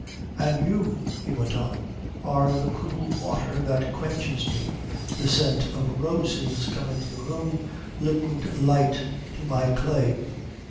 "And you," he went on, "are the cool water that quenches me, the scent of roses come into the room, liquid light to my clay."